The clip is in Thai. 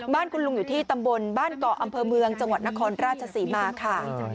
บ้านคุณลุงอยู่ที่ตำบลบ้านเกาะอำเภอเมืองจังหวัดนครราชศรีมาค่ะ